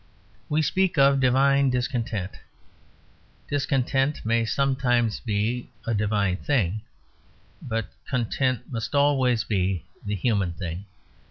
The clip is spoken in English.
We speak of divine discontent; discontent may sometimes be a divine thing, but content must always be the human thing.